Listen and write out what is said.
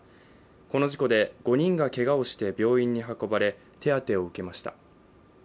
この事故で５人がけがをして病院に運ばれ手当てを受けました